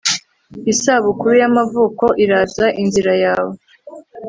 isabukuru yamavuko iraza inzira yawe